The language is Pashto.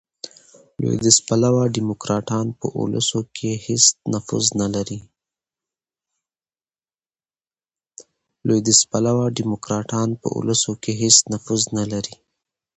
لوېدیځ پلوه ډیموکراټان، په اولسو کښي هیڅ نفوذ نه لري.